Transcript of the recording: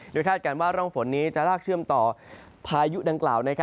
โดยคาดการณ์ว่าร่องฝนนี้จะลากเชื่อมต่อพายุดังกล่าว